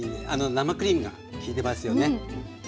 生クリームが効いてますよね。